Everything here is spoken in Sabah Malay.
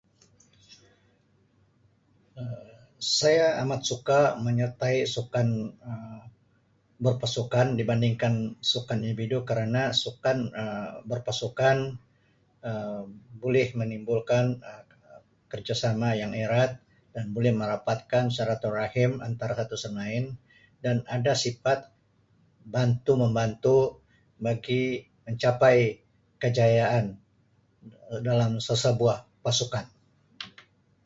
Um Saya amat suka menyertai sukan Um berpasukan dibandingkan sukan individu kerana sukan Um berpasukan Um bulih menimbulkan Um kerjasama yang erat dan boleh merapatkan silaturrahim antara satu sama lain dan ada sifat bantu membantu [unintelligible] mencapai kejayaan dalam sesebuah pasukan.